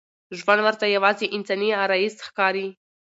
ژوند ورته یوازې انساني غرايز ښکاري.